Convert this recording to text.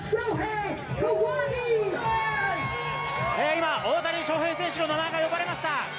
今、大谷翔平選手の名前が呼ばれました。